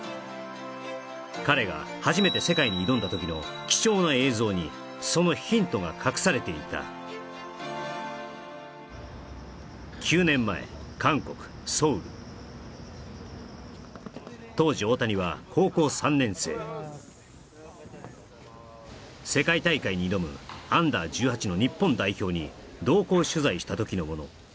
彼が初めて世界に挑んだ時の貴重な映像にそのヒントが隠されていた９年前当時大谷は高校３年生世界大会に挑むアンダー１８の日本代表に同行取材した時のもの